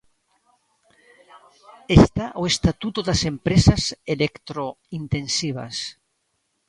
Está o Estatuto das empresas electrointensivas.